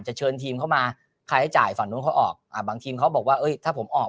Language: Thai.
เชิญทีมเข้ามาใครให้จ่ายฝั่งนู้นเขาออกอ่าบางทีมเขาบอกว่าเอ้ยถ้าผมออก